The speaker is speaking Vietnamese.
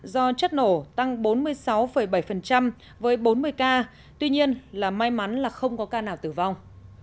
do chất nổ tăng bốn mươi sáu bảy với bốn mươi ca tuy nhiên là may mắn là không có ca nào tử vong